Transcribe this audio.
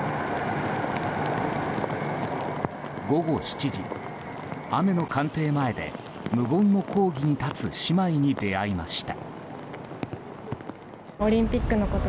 午後７時雨の官邸前で無言の抗議に立つ姉妹に出会いました。